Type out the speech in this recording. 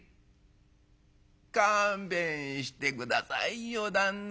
「勘弁して下さいよ旦那。